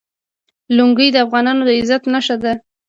لنګۍ د افغانانو د عزت نښه ده.